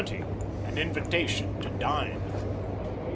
AN INVITATION TO DINE.